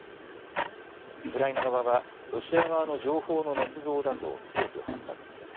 ウクライナ側はロシア側の情報のねつ造だと強く反発。